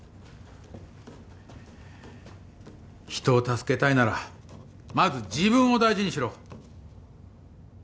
人を助けたいならまず自分を大事にしろ。